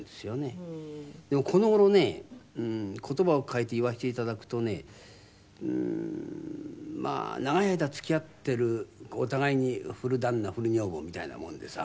でもこの頃ね言葉を変えて言わせて頂くとねまあ長い間付き合っているお互いに古旦那古女房みたいなもんでさ